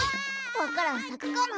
わか蘭さくかな？